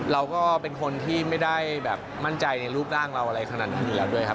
เราก็เป็นคนที่ไม่ได้แบบมั่นใจในรูปร่างเราอะไรขนาดนั้นอยู่แล้วด้วยครับ